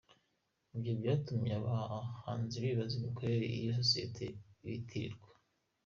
Ibyo byatumye abahanzi bibaza imikorere y’iyo sosiyete ibitirirwa.